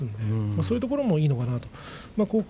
そういうところもいいのかなと思います。